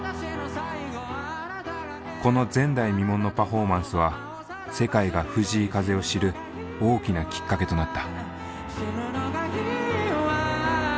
この前代未聞のパフォーマンスは世界が藤井風を知る大きなきっかけとなった。